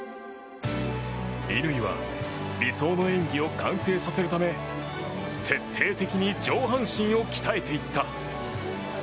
乾は理想の演技を完成させるため徹底的に上半身を鍛えていった。